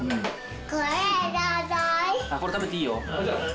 これ食べていいよ。